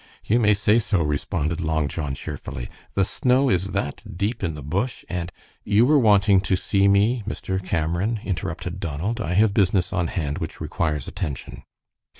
"You may say so," responded Long John, cheerfully. "The snow is that deep in the bush, and " "You were wanting to see me, Mr. Cameron," interrupted Donald. "I have a business on hand which requires attention."